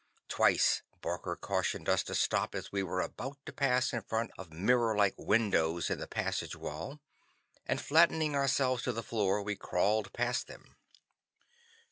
Twice Barker cautioned us to stop as we were about to pass in front of mirror like "windows" in the passage wall, and flattening ourselves to the floor, we crawled past them.